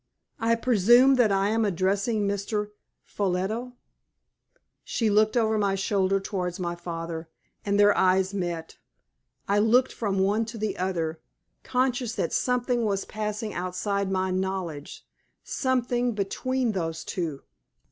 "I presume that I am addressing Mr. Ffolliot?" She looked over my shoulder towards my father, and their eyes met. I looked from one to the other, conscious that something was passing outside my knowledge something between those two.